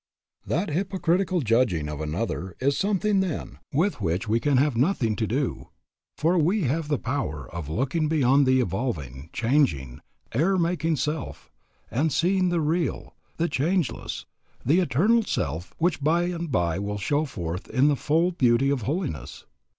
That hypocritical judging of another is something then with which we can have nothing to do; for we have the power of looking beyond the evolving, changing, error making self, and seeing the real, the changeless, the eternal self which by and by will show forth in the full beauty of holiness.